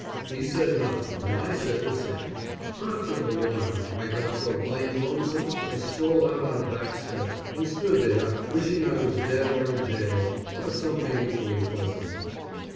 He said nothing, and I said the same. After a while I got so blame lonesome I stole out on the back steps and stood there wishing I was dead or in jail, or something equally pleasant.